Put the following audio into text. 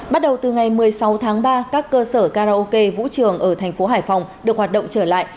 bắt đầu từ ngày một mươi sáu tháng ba các cơ sở karaoke vũ trường ở thành phố hải phòng được hoạt động trở lại